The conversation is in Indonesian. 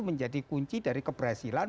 menjadi kunci dari keberhasilan